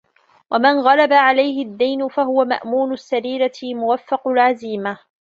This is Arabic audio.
وَمَنْ غَلَبَ عَلَيْهِ الدِّينُ فَهُوَ مَأْمُونُ السَّرِيرَةِ مُوَفَّقُ الْعَزِيمَةِ